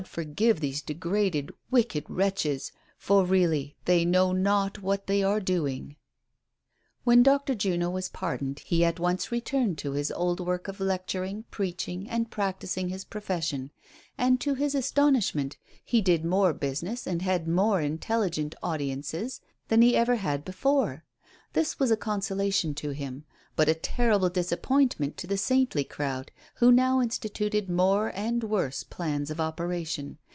141 forgive these degraded, wicked wretches, for really they know not what they are doing." When Dr. Juno was pardoned, he at once returned to his old work of lecturing, preaching and practising his profession, and, to his astonishment, he did more business and had more intelligent audiences than he ever had before ; this was a consolation to him, but a terrible disap pointment to the saintly crowd, who now instituted more and worse i)lans of operation.